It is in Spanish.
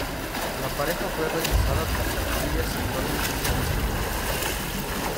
La pareja fue rechazada por sus familias y actualmente están escondidos.